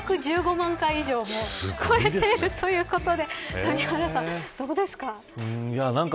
２１５万回以上も超えているということで谷原さん、どうですか。